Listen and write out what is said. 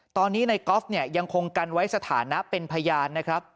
ตอนนี้ในกอล์ฟเนี่ยยังคงกันไว้สถานะเป็นพยานนะครับ